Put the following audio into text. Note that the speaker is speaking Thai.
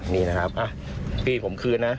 นี่นะครับพี่ผมคืนนะ